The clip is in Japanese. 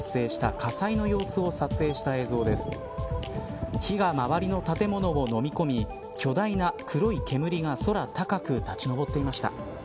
火が周りの建物をのみ込み巨大な黒い煙が空高く立ち上っていました。